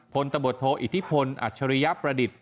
ผลตะบดโทไอธิพลอัชรียประดิษฐ์